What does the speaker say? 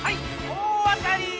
大当たり！